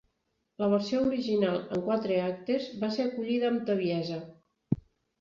La versió original, en quatre actes, va ser acollida amb tebiesa.